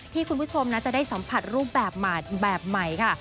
คุณผู้ชมจะได้สัมผัสรูปแบบใหม่ค่ะ